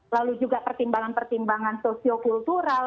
lalu juga pertimbangan pertimbangan sosio kultural